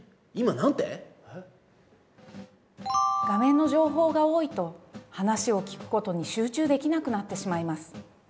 画面の情報が多いと話を聞くことに集中できなくなってしまいます。